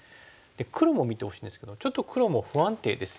黒も見てほしいんですけどちょっと黒も不安定ですよね。